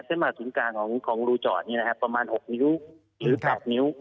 เส้นหมาตรงกลางของลูเจาะประมาณ๖นิ้วหรือ๘นิ้ว